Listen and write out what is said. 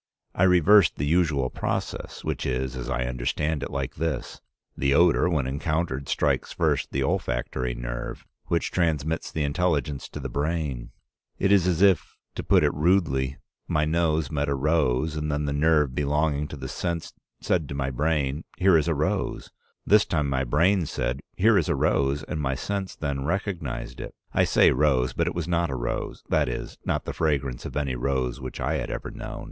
I reversed the usual process, which is, as I understand it, like this: the odor when encountered strikes first the olfactory nerve, which transmits the intelligence to the brain. It is as if, to put it rudely, my nose met a rose, and then the nerve belonging to the sense said to my brain, 'Here is a rose.' This time my brain said, 'Here is a rose,' and my sense then recognized it. I say rose, but it was not a rose, that is, not the fragrance of any rose which I had ever known.